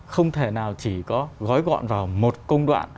không thể nào chỉ có gói gọn vào một công đoạn